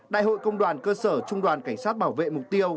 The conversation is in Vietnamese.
đại hội công đoàn cơ sở trung đoàn cảnh sát bảo vệ mục tiêu